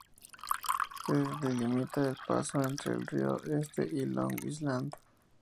Que delimita el paso entre el río Este y Long Island.